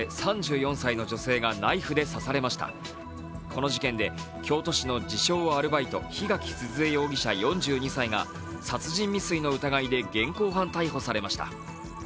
この事件で、京都市の自称・アルバイト、檜垣涼恵容疑者４２歳が殺人未遂の疑いで現行犯逮捕されました。